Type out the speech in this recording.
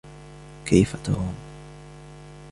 كيف توم؟